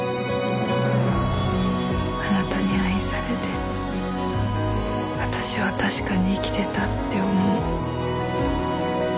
「あなたに愛されて私は確かに生きていたって思う」。